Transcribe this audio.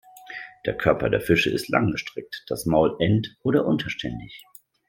Der Körper der Fische ist langgestreckt, das Maul end- oder unterständig.